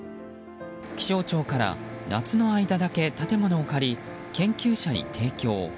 気象庁から夏の間だけ建物を借り研究者に提供。